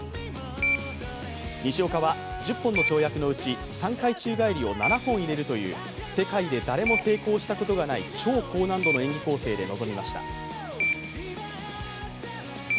西岡は１０本の跳躍のうち、３回宙返りを７本入れるという世界で誰も成功したことがない超高難度の演技構成で臨みました。